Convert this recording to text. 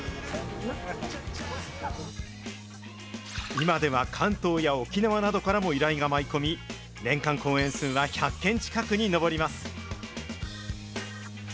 今では関東や沖縄などからも依頼が舞い込み、年間公演数は１００件近くに上ります。